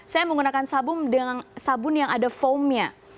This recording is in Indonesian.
saya menggunakan sabun yang ada foamnya